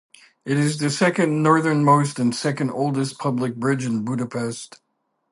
It is the second-northernmost and second-oldest public bridge in Budapest.